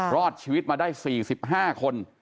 รอดชีวิตมาได้๔๕คน